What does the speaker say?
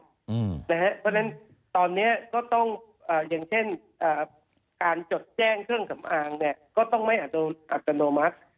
เพราะฉะนั้นตอนนี้ก็ต้องอย่างเช่นการจดแจ้งเครื่องสำอางเนี่ยก็ต้องไม่อัตโนมัติ